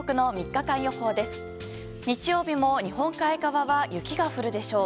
日曜日も、日本海側は雪が降るでしょう。